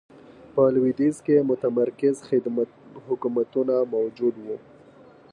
په لوېدیځ کې متمرکز حکومتونه موجود و.